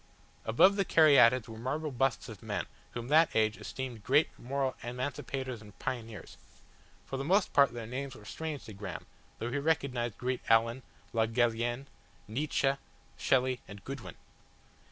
Above the caryatids were marble busts of men whom that age esteemed great moral emancipators and pioneers; for the most part their names were strange to Graham, though he recognised Grant Allen, Le Gallienne, Nietzsche, Shelley and Goodwin.